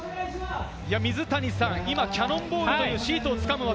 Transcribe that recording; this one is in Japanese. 水谷さん、今、キャノンボールというシートをつかむ技。